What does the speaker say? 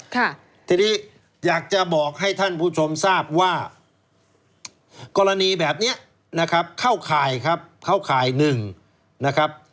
ค่ะทีนี้อยากจะบอกให้ท่านผู้ชมทราบว่ากรณีแบบเนี้ยนะครับเข้าข่ายครับเข้าข่ายหนึ่งนะครับ